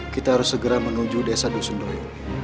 kita harus segera menuju desa dosun doyong